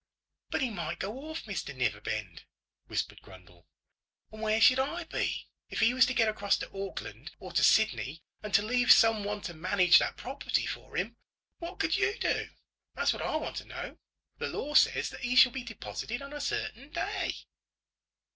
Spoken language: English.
"But he might go off, Mr Neverbend," whispered Grundle; "and where should I be then? If he was to get across to Auckland, or to Sydney, and to leave some one to manage the property for him, what could you do? That's what I want to know. The law says that he shall be deposited on a certain day."